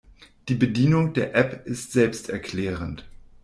Die Bedienung der App ist selbsterklärend.